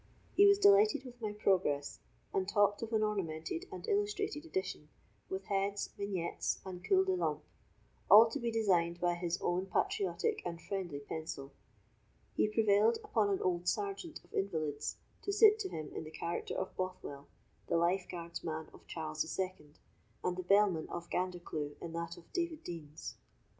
He was delighted with my progress, and talked of an ornamented and illustrated edition, with heads, vignettes, and culs de lampe, all to be designed by his own patriotic and friendly pencil. He prevailed upon an old sergeant of invalids to sit to him in the character of Bothwell, the lifeguard's man of Charles the Second, and the bellman of Gandercleugh in that of David Deans.